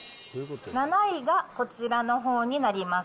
７位がこちらのほうになります。